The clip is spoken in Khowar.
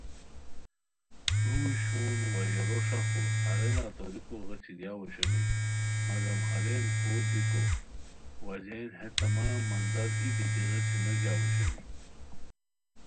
کروئی شون وا یورو ݰخور ہارینہ توریکو غیچی گیاؤ اوشونی مگم ہارین کھور بیکو وجہین ہے تمام منظر ای بیتی غچی نو گیاؤ اوشونی